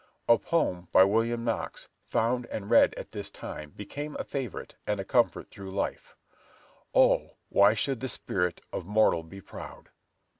A poem by William Knox, found and read at this time, became a favorite and a comfort through life, "Oh, why should the spirit of mortal be proud?"